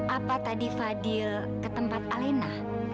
apa tadi fadil ke tempat alena